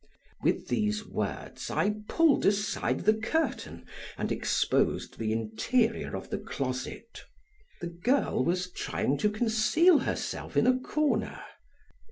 With these words I pulled aside the curtain and exposed the interior of the closet. The girl was trying to conceal herself in a corner.